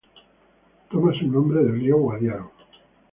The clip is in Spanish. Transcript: Toma su nombre del río Guadiaro.